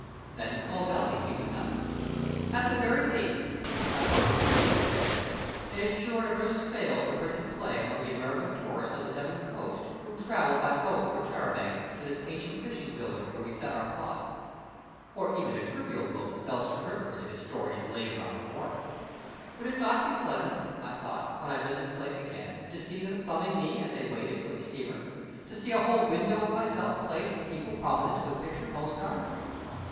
Then Clovelly seemed enough. At the very least if my publisher were energetic it ensured a brisk sale of the printed play among the American tourists on the Devon coast, who travel by boat or char a banc to this ancient fishing village where we set our plot. For even a trivial book sells to trippers if its story is laid around the corner. Would it not be pleasant, I thought, when I visit the place again, to see them thumbing me as they waited for the steamer to see a whole window of myself placed in equal prominence with picture postal cards?